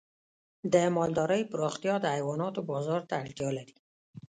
د مالدارۍ پراختیا د حیواناتو بازار ته اړتیا لري.